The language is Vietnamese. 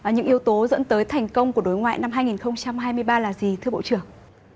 những yếu tố dẫn tới thành công của đối ngoại năm hai nghìn hai mươi ba là gì thưa bộ trưởng